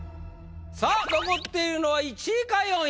さあ残っているのは１位か４位。